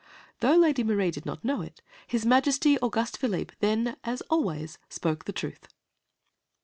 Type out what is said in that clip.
Though Lady Marie did not know it, his Majesty Auguste Philippe then, as always, spoke the truth.